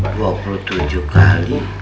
dua puluh tujuh kali